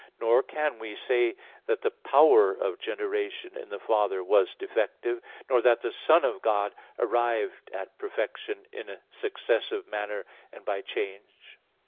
Nor can we say that the power of generation in the Father was defective, nor that the Son of God arrived at perfection in a successive manner and by change.